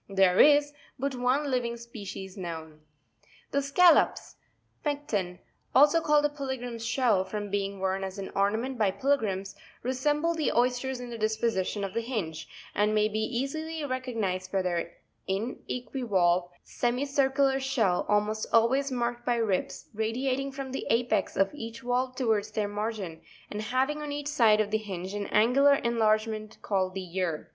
There is® but one living yyy, species known. 10. The Scattors—Pecten (also called the pilgrim's shell, from being worn as an ornament by pilgrims)— resemble the oysters in the disposition of the hinge, and may be easily recognised by their inequivalve, semicircular shell, almost always marked by ribs, radiating from the apex of each valve towards their margin, and having on each side of the hinge an angular enlargement called the ear (fig.